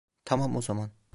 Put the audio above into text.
Tamam o zaman.